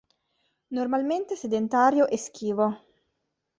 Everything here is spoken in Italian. Normalmente sedentario e schivo.